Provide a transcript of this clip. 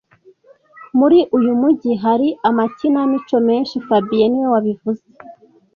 Muri uyu mujyi hari amakinamico menshi fabien niwe wabivuze